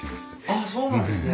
あっそうなんですね。